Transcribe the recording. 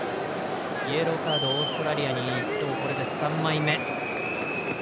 イエローカード、オーストラリアこれで３枚目。